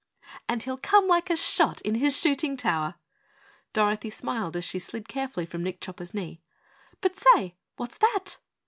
"And he'll come like a shot in his shooting tower," Dorothy smiled as she slid carefully from Nick Chopper's knee. "But, say what's that?"